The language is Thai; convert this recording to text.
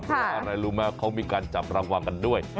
เพราะอะไรรู้ไหมเขามีการจับรางวัลกันด้วย